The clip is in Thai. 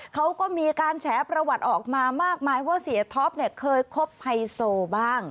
เขาก็มีการแฉประวัติออกมามากมายว่าเสียท็อปเนี่ยเคยคบไฮโซบ้าง